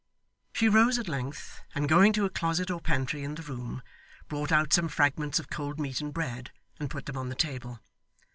She rose at length, and going to a closet or pantry in the room, brought out some fragments of cold meat and bread and put them on the table.